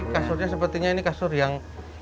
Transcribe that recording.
kasurnya sepertinya ini kasur yang